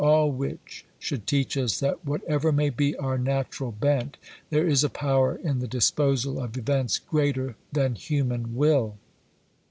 All which should teach us that whatever may be our natural bent, there is a power in the disposal of events greater than human will.